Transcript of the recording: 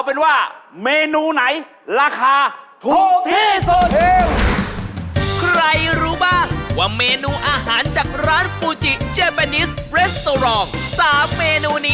เอ้าเมื่อกี้เป็นกัปตันอยู่เลย